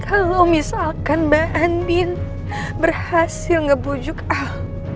kalo misalkan mbak andin berhasil ngebujuk al